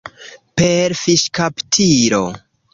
Per fiŝkaptilo.